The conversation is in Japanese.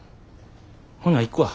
ほな行くわ。